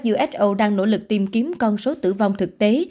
uso đang nỗ lực tìm kiếm con số tử vong thực tế